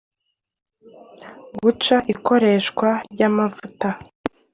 "guca ikoreshwa ry'amavuta